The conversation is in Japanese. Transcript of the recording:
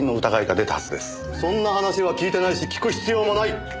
そんな話は聞いてないし聞く必要もない。